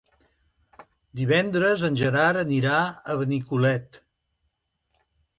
Divendres en Gerard anirà a Benicolet.